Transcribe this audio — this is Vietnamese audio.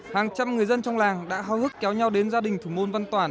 hàng trăm người dân trong làng đã hào hức kéo nhau đến gia đình thủ môn văn toản